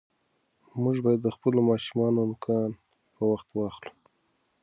موږ باید د خپلو ماشومانو نوکان په وخت واخلو.